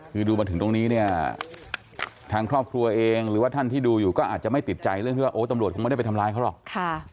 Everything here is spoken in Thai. คือดูมาถึงตรงนี้เนี่ยทางครอบครัวเองหรือว่าท่านที่ดูอยู่ก็อาจจะไม่ติดใจเรื่องที่ว่าโอ้ตำรวจคงไม่ได้ไปทำร้ายเขาหรอก